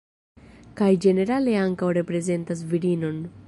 Kaj ĝenerale ankaŭ reprezentas virinon.